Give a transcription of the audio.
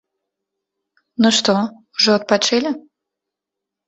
Ну, што, ужо адпачылі?